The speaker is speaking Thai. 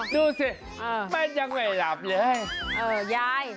ดูสิมันยังไม่หลับเลย